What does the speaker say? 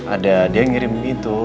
ada dia ngirim itu